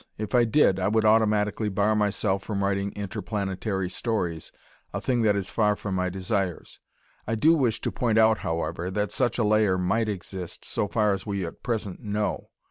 If I did, I would automatically bar myself from writing interplanetary stories, a thing that is far from my desires. I do wish to point out, however, that such a layer might exist, so far as we at present know.